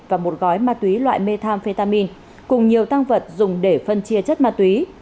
và một gói ma túy loại methamphetamine cùng nhiều tăng vật dùng để phân chia chất ma túy